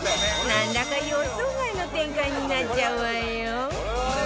なんだか予想外の展開になっちゃうわよ